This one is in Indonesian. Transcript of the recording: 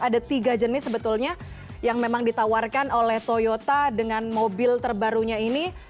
ada tiga jenis sebetulnya yang memang ditawarkan oleh toyota dengan mobil terbarunya ini